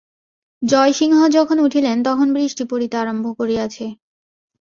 জয়সিংহ যখন উঠিলেন তখন বৃষ্টি পড়িতে আরম্ভ করিয়াছে।